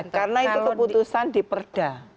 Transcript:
tidak ada karena itu keputusan di perda